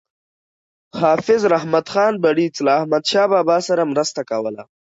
حافظ رحمت خان بړیڅ له احمدشاه بابا سره مرسته کوله.